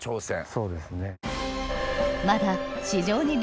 そうですね。